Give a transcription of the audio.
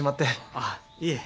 あっいえ。